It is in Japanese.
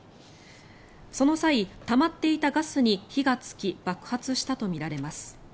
その際、たまっていたガスに火がつき爆発したとみられます。